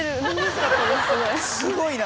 すごいな。